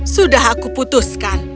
sudah aku putuskan